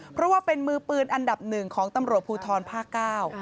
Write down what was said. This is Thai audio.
เพราะว่าเป็นมือปืนอันดับ๑ของตำรวจภูทรภาค๙